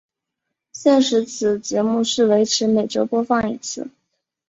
现时此节目是维持每周播放一次。